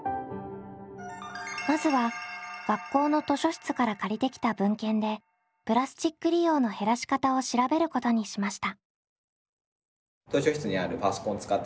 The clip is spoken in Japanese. まずは学校の図書室から借りてきた文献でプラスチック利用の減らし方を調べることにしました。